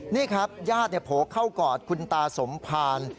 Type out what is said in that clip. นี่ครับญาติโผล่เข้ากอดคุณตาสมภาร